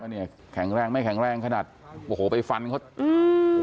เนี่ยแข็งแรงไม่แข็งแรงขนาดโอ้โหไปฟันเขาอืม